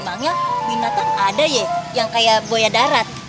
emangnya binatang ada ye yang kayak boya darat